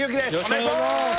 お願いしまーす！